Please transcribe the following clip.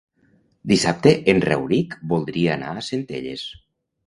Dissabte en Rauric voldria anar a Centelles.